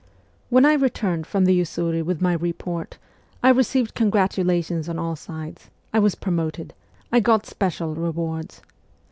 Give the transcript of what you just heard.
When I returned from the Usuri with my report, I received SIBERIA 247 congratulations on all sides, I was promoted, I got special rewards.